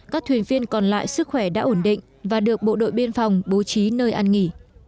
các thuyền viên còn lại sức khỏe đã ổn định và được bộ đội biên phòng bố trí nơi ăn nghỉ